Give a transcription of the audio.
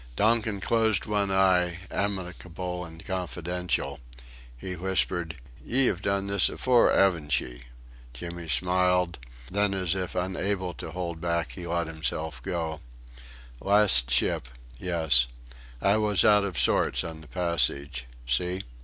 Donkin closed one eye, amicable and confidential. He whispered: "Ye 'ave done this afore'aven'tchee?" Jimmy smiled then as if unable to hold back he let himself go: "Last ship yes. I was out of sorts on the passage. See?